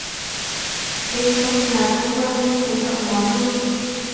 Bên trong nhà bỗng vang lên một giọng nói ma mị